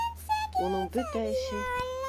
Уның бөтә эше —